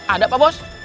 ada pak bos